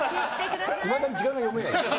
いまだに時間が読めない。